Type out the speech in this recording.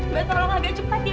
mbak tolong agak cepat ya